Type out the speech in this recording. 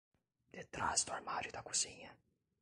De trás do armário da cozinha.